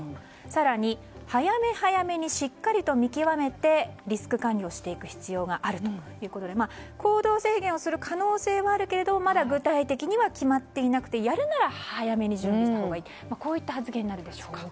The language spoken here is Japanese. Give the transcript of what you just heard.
更に、早め早めにしっかりと見極めてリスク管理をしていく必要があるということで行動制限をする可能性はあるけれどもまだ具体的には決まっていなくてやるなら早めに準備したほうがいいとこういった発言になるんでしょうか。